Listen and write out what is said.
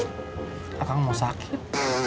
kakak mau sakit